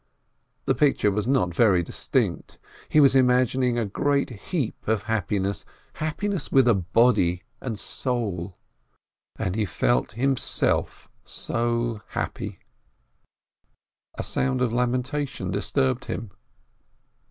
The picture was not very distinct. He was imagining a great heap of happiness — happiness with a body and soul, and he felt himself so happy. A sound of lamentation disturbed him.